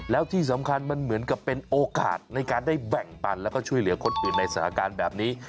แล้วที่สำคัญมันเหมือนกับเป็นโอกาสในการได้แบ่งปันแล้วก็ช่วยเหลือคนอื่นในสถานการณ์แบบนี้